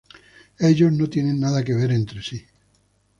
Ellos no tienen nada que ver entre sí.